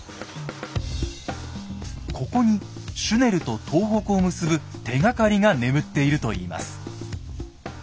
ここにシュネルと東北を結ぶ手がかりが眠っているといいます。